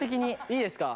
いいですか？